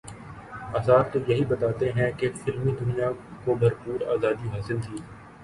آثار تو یہی بتاتے ہیں کہ فلمی دنیا کو بھرپور آزادی حاصل تھی۔